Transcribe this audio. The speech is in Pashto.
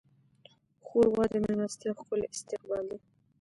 ښوروا د میلمستیا ښکلی استقبال دی.